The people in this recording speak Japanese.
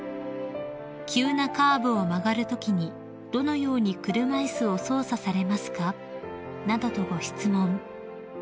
「急なカーブを曲がるときにどのように車いすを操作されますか？」などとご質問］